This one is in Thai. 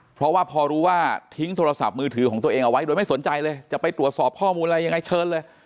เพราะว่าพอรู้ว่าทิ้งโทรศัพท์มือถือของตัวเองเอาไว้โดยไม่สนใจเลยจะไปตรวจสอบข้อมูลอะไรยังไงเชิญเลย